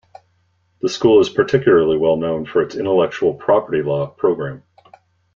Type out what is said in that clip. The school is particularly well known for its Intellectual Property Law program.